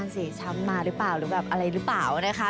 สีช้ำมาหรือเปล่าหรือแบบอะไรหรือเปล่านะคะ